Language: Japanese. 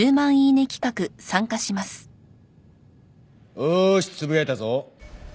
おーしつぶやいたぞ。